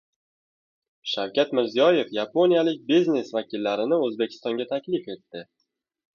Shavkat Mirziyoyev yaponiyalik biznes vakillarini O‘zbekistonga taklif etdi